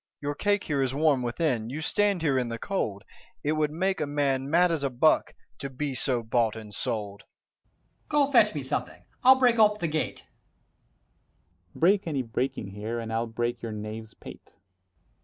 70 Your cake here is warm within; you stand here in the cold: It would make a man mad as a buck, to be so bought and sold. Ant. E. Go fetch me something: I'll break ope the gate. Dro. S. [Within] Break any breaking here, and I'll break your knave's pate. _Dro. E.